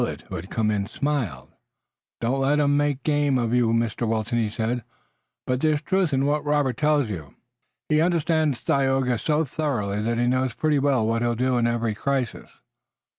Willet, who had come in, smiled. "Don't let 'em make game of you, Mr. Wilton," he said, "but there's truth in what Robert tells you. He understands Tayoga so thoroughly that he knows pretty well what he'll do in every crisis."